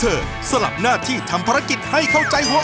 เขามาทำฝึกทำอาหารไทย